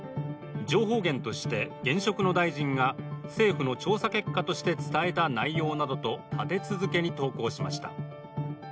情報源として現職の大臣が政府の調査結果として伝えた内容などとして立て続けに投稿しました。